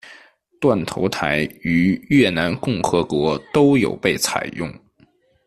断头台于越南共和国都有被采用。